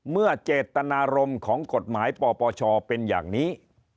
เมื่อเจตนารมณ์ของกฎหมายปปชเป็นอย่างนี้